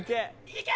いけ！